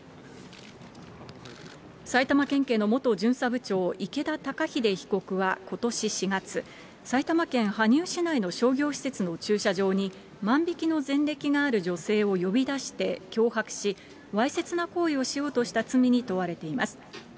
埼玉県警の元巡査部長、池田高秀被告はことし４月、埼玉県羽生市内の商業施設の駐車場に、万引きの前歴がある女性を呼び出して脅迫し、わいせつな行為をしようとした罪に問われています。